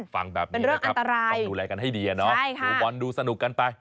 ฟังแบบนี้นะครับเป็นเรื่องอันตรายใช่ค่ะบอลดูสนุกกันไป